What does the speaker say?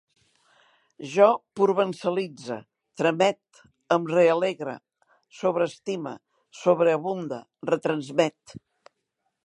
Jo provençalitze, tramet, em realegre, sobreestime, sobreabunde, retransmet